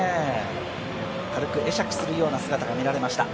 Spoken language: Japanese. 軽く会釈するような姿が見られました。